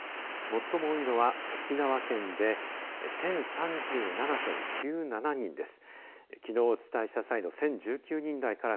最も多いのは沖縄県で１０３７．９７人です。